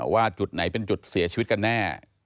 ว่าจุดไหนเป็นจุดเสียชีวิตกันแน่